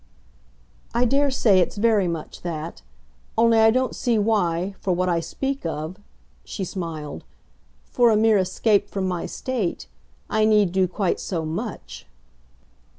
"I dare say it's very much that. Only I don't see why, for what I speak of," she smiled "for a mere escape from my state I need do quite so MUCH."